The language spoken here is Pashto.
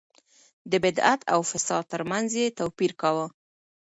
د بدعت او فساد ترمنځ يې توپير کاوه.